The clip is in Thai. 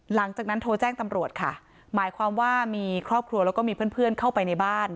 หลังจากนั้นโทรแจ้งตำรวจค่ะหมายความว่ามีครอบครัวแล้วก็มีเพื่อนเพื่อนเข้าไปในบ้าน